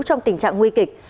trong tình trạng nguy kịch